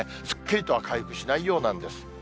すっきりとは回復しないようなんです。